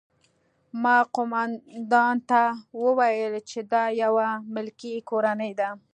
ما قومندان ته وویل چې دا یوه ملکي کورنۍ ده